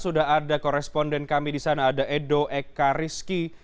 sudah ada koresponden kami di sana ada edo ekariski